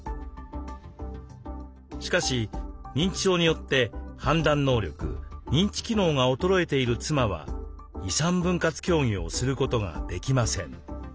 しかし認知症によって判断能力認知機能が衰えている妻は遺産分割協議をすることができません。